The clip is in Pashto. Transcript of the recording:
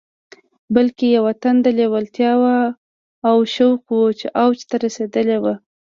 بلکې يوه تنده، لېوالتیا او شوق و چې اوج ته رسېدلی و.